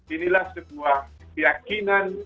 inilah sebuah keyakinan